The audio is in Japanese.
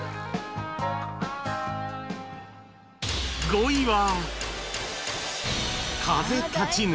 ５位は